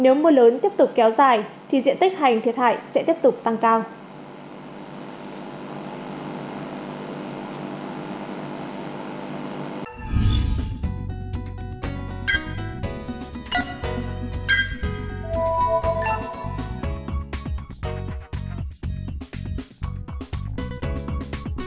nếu mưa lớn tiếp tục kéo dài thì diện tích hành thiệt hại sẽ tiếp tục tăng cao